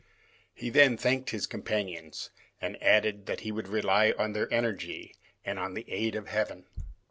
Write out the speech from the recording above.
He then thanked his companions, and added, that he would rely on their energy and on the aid of Heaven.